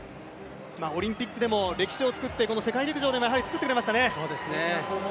オリンピックでも歴史を作って世界陸上でも作ってくれましたね。